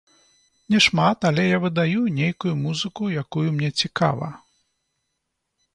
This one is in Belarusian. Не шмат, але я выдаю нейкую музыку, якую мне цікава.